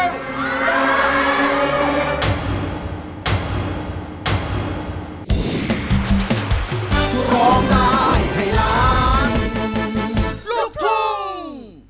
น้ำสมร้อง